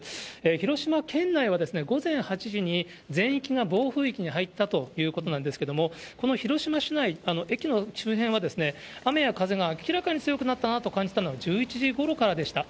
広島県内は午前８時に全域が暴風域に入ったということなんですけれども、この広島市内、駅の周辺は雨や風が明らかに強くなったなと感じたのは１１時ごろからでした。